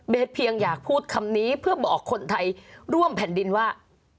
เพียงอยากพูดคำนี้เพื่อบอกคนไทยร่วมแผ่นดินว่า